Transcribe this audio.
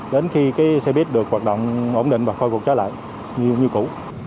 đến khi xe buýt được hoạt động ổn định và khôi phục trở lại như cũ